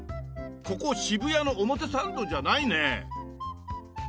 ここ渋谷の表参道じゃないね。